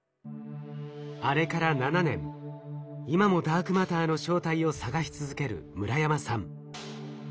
あれから７年今もダークマターの正体を探し続ける村山さん。